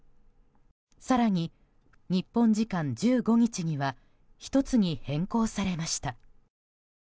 更に、日本時間１５日には１つに変更されました。